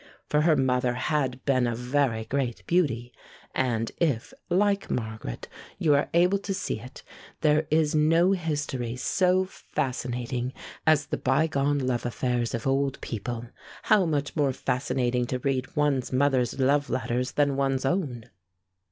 For her mother had been a very great beauty, and if, like Margaret, you are able to see it, there is no history so fascinating as the bygone love affairs of old people. How much more fascinating to read one's mother's love letters than one's own!